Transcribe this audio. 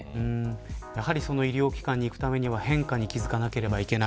やはり医療機関に行くためには変化に気付かなければいけない。